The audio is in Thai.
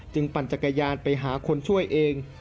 ปั่นจักรยานไปหาคนช่วยเอง